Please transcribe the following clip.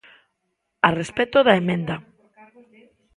A respecto da emenda.